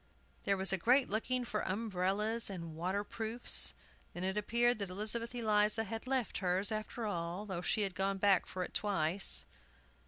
There was a great looking for umbrellas and water proofs. Then it appeared that Elizabeth Eliza had left hers, after all, though she had gone back for it twice.